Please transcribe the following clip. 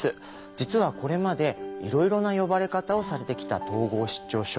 実はこれまでいろいろな呼ばれ方をされてきた統合失調症。